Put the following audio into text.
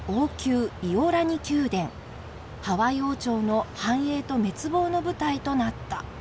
ハワイ王朝の繁栄と滅亡の舞台となった」。